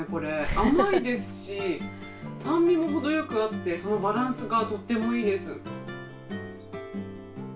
甘いですし酸味も程よくあってそのバランスがとってもいいです。